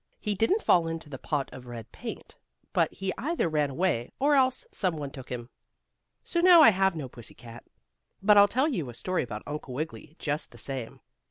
He didn't fall into the pot of red paint, but he either ran away, or else some one took him. So now I have no pussy cat. But I'll tell you a story about Uncle Wiggily just the same.